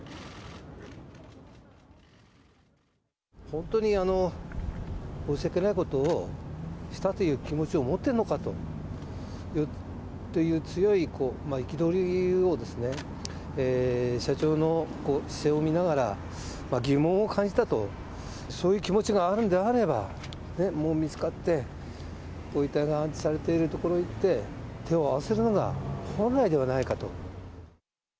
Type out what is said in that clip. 本当に申し訳ないことをしたという気持ちを持ってるのかという強い憤りを社長の姿勢を見ながら疑問を感じたと、そういう気持ちがあるんであれば、もう見つかって、ご遺体が安置されている所に行って、手を合わせるのが本来ではないかと。